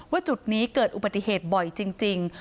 จุดนี้เกิดอุบัติเหตุบ่อยจริง